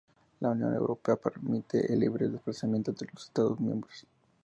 La Unión Europea permite el libre desplazamiento entre los estados miembros.